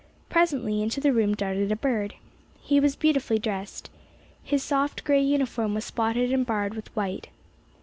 Presently into the room darted a bird. He was beautifully dressed. His soft gray uniform was spotted and barred with white.